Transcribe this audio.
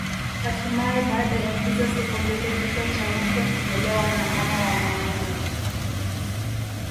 Hatimae baada ya hizo siku mbili kichwa cha mke hunyolewa na mama wa mwanaume